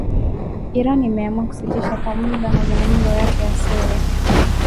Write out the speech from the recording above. Iran imeamua kusitisha kwa muda mazungumzo yake ya siri